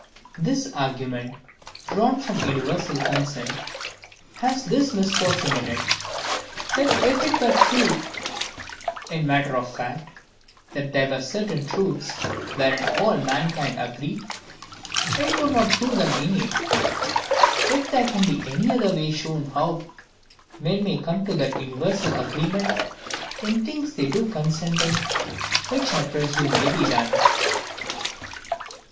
This argument, drawn from universal consent, has this misfortune in it, that if it were true in matter of fact, that there were certain truths wherein all mankind agreed, it would not prove them innate, if there can be any other way shown how men may come to that universal agreement, in the things they do consent in, which I presume may be done.